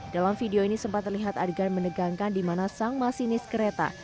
dalam video ini sempat terlihat adegan menegangkan di mana sang masinis kereta